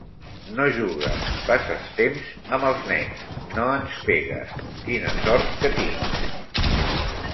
No jugues, passes temps amb els nens, no ens pegues. Quina sort que tinc!